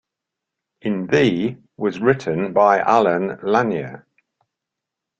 "In Thee" was written by Allen Lanier.